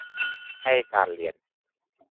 ให้การเรียน